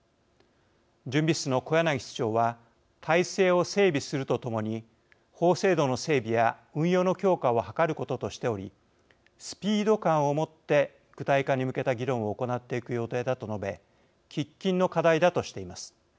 準備室の小柳室長は「体制を整備するとともに法制度の整備や運用の強化を図ること」としており「スピード感を持って具体化に向けた議論を行っていく予定だ」と述べ喫緊の課題だとしています。